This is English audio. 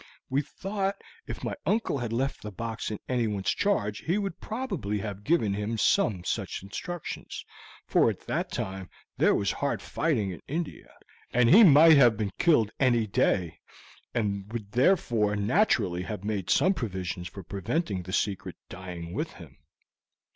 We thought if my uncle had left the box in anyone's charge he would probably have given him some such instructions, for at that time there was hard fighting in India, and he might have been killed any day, and would therefore naturally have made some provisions for preventing the secret dying with him."